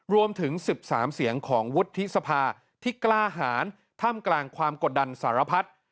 รวมถึง๑๓เสียงของวุฒิสภาที่กล้าหารท่ามกลางความกดดันสารพัฒน์